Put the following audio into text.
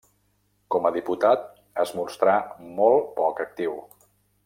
Com a diputat es mostrà molt poc actiu.